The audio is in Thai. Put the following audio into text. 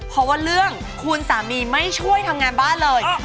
เพราะว่าเรื่องคุณสามีไม่ช่วยทำงานบ้านเลย